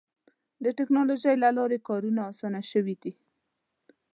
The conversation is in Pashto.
د ټکنالوجۍ له لارې کارونه اسانه شوي دي.